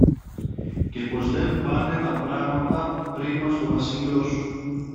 και πως δεν πάνε τα πράματα πρίμα στο βασίλειο σου.